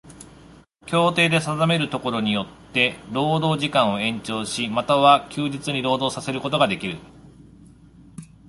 協定で定めるところによつて労働時間を延長し、又は休日に労働させることができる。